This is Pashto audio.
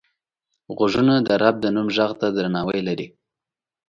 غوږونه د رب د نوم غږ ته درناوی لري